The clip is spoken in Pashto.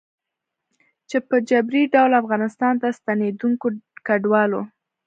چې په جبري ډول افغانستان ته د ستنېدونکو کډوالو